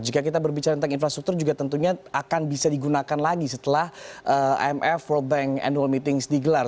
jika kita berbicara tentang infrastruktur juga tentunya akan bisa digunakan lagi setelah imf world bank annual meetings digelar